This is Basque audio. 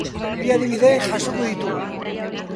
Bi adibide jasoko ditugu.